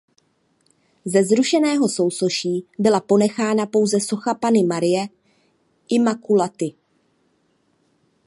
Ze zrušeného sousoší byla ponechána pouze socha Panny Marie Immaculaty.